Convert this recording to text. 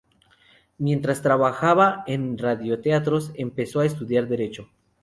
Mientras trabajaba en radioteatros, empezó a estudiar Derecho.